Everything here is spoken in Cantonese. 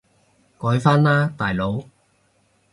改返喇大佬